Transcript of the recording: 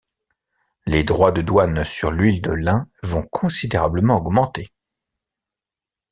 Les droits de douane sur l'huile de lin vont considérablement augmenter.